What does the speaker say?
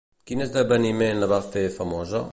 Quin esdeveniment la va fer famosa?